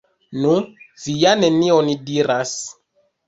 Nu, vi ja nenion diras!